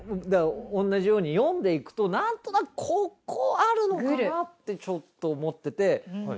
同じように読んで行くと何となくここあるのかなってちょっと思ってて。